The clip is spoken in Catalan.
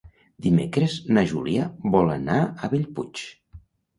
Dimecres na Júlia vol anar a Bellpuig.